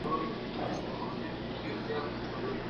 د کار خوندیتوب ډیر اړین دی.